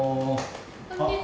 こんにちは。